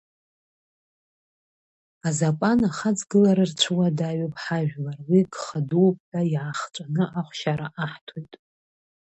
Азакәан ахаҵгылара рцәыуадаҩуп ҳажәлар уи гха дууп ҳәа иаахҵәаны ахәшьара аҳҭоит.